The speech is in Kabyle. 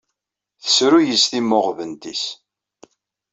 Tesru-yi s timmuɣbent-is.